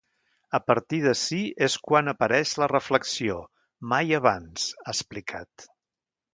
A partir d’ací és quan apareix la reflexió, mai abans, ha explicat.